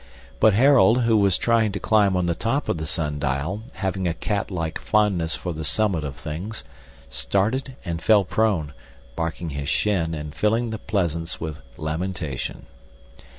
But Harold, who was trying to climb on the top of the sun dial, having a cat like fondness for the summit of things, started and fell prone, barking his chin and filling the pleasance with lamentation.